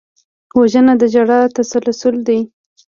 وژنه د ژړا تسلسل دی